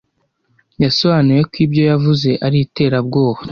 Yasobanuye ko ibyo yavuze ari iterabwoba.